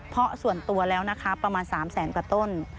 เพราะส่วนตัวแล้วนะคะประมาณ๓แสนกว่าต้น